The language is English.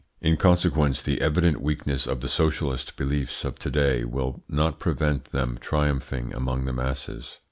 In consequence, the evident weakness of the socialist beliefs of to day will not prevent them triumphing among the masses.